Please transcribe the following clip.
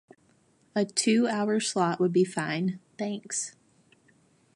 A two hour slot would be fine, thanks.